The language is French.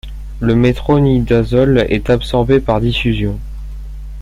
Le métronidazole est absorbé par diffusion.